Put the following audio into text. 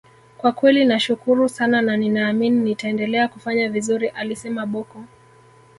kwa kweli nashukuru sana na ninaamini nitaendelea kufanya vizuri alisema Bocco